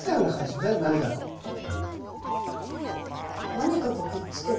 何かとくっつけた？